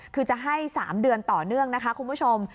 คือจะให้๓เดือนต่อเนื่องนะคะคุณผู้ชม